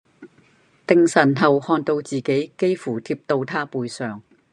定神後看到自己幾乎貼到他背上